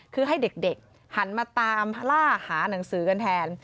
คือให้เด็กหันมาตามล่าหาหนังสือกันแทน